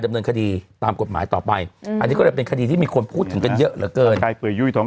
ดำเนินคดีตามกฎหมายต่อไปอันนี้ก็เลยเป็นที่มีคนพูดอย่างนั้นเยอะหละเกิน